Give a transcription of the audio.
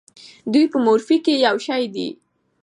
دوی په مورفي کې یو شی دي.